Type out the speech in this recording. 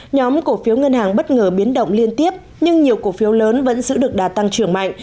nhóm cổ phiếu ngân hàng bất ngờ biến động liên tiếp nhưng nhiều cổ phiếu lớn vẫn giữ được đà tăng trưởng mạnh